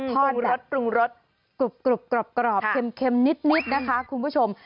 ทอดแบบกรุบกรอบเค็มนิดนะคะคุณผู้ชม